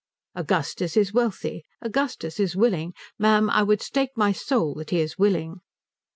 "Augustus is wealthy. Augustus is willing. Ma'am, I would stake my soul that he is willing."